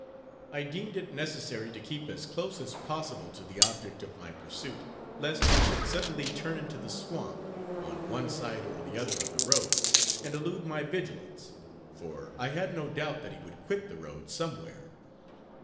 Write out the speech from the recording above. I deemed it necessary to keep as close as possible to the object of my pursuit, lest he should suddenly turn into the swamp, on one side or the other of the road, and elude my vigilance; for I had no doubt that he would quit the road, somewhere.